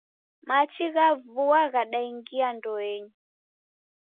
Machi gha vua ghadaingia ndoenyi